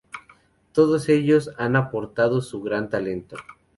Todos ellos han aportado su gran talento.